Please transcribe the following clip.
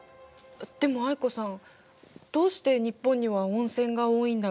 でも藍子さんどうして日本には温泉が多いんだろ？